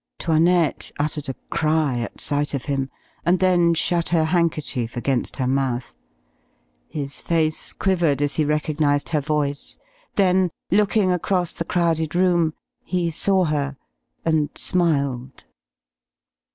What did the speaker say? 'Toinette uttered a cry at sight of him, and then shut her handkerchief against her mouth. His face quivered as he recognized her voice, then, looking across the crowded room, he saw her and smiled....